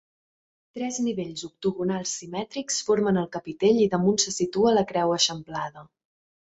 Tres nivells octogonals simètrics formen el capitell i damunt se situa la creu eixamplada.